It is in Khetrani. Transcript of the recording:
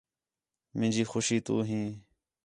مینجی خوشی تُو ہیں